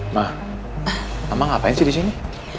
ma mama ngapain sih disini